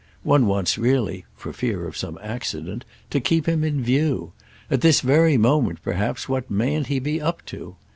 One wants really—for fear of some accident—to keep him in view. At this very moment perhaps what mayn't he be up to?